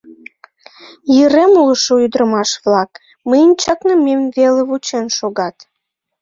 Йырем улшо ӱдырамаш-влак мыйын чакнымем веле вучен шогат.